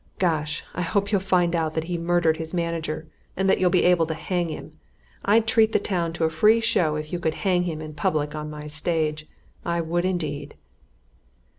Gosh! I hope you'll find out that he murdered his manager, and that you'll be able to hang him I'd treat the town to a free show if you could hang him in public on my stage, I would, indeed!"